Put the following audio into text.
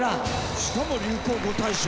しかも流行語大賞。